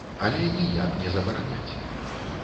Але ніяк не забараняць.